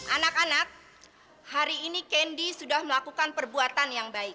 anak anak hari ini kendi sudah melakukan perbuatan yang baik